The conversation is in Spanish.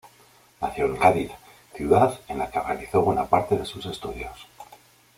Nació en Cádiz, ciudad en la que realizó buena parte de sus estudios.